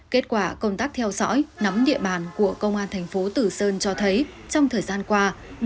kết quả công tác theo dõi nắm địa bàn của công an thành phố tử sơn cho thấy trong thời gian qua